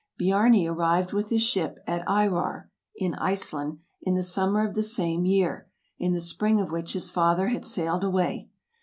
Biarni arrived with his ship at Eyrar [in Iceland] in the summer of the same year, in the spring of which his father had sailed away.